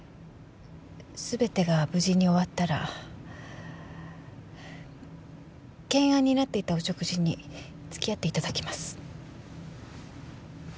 全てが無事に終わったら懸案になっていたお食事に付き合って頂きます。